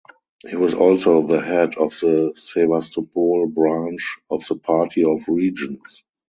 He was also the head of the Sevastopol branch of the Party of Regions.